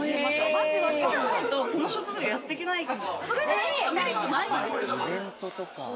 好きじゃないと、それ、この職業やっていけないかも。